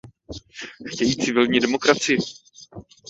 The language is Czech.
Chtějí civilní demokracii.